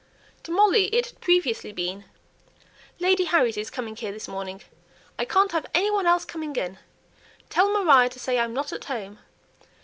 To Molly it had previously been, "Lady Harriet is coming here this morning. I can't have any one else coming in. Tell Maria to say I'm not at home.